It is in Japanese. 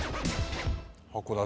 函館？